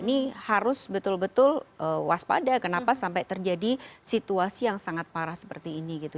ini harus betul betul waspada kenapa sampai terjadi situasi yang sangat parah seperti ini gitu